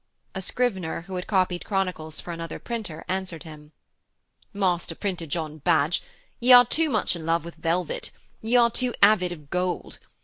A scrivener who had copied chronicles for another printer answered him: 'Master Printer John Badge, ye are too much in love with velvet; ye are too avid of gold.